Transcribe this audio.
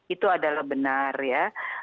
itu adalah benar ya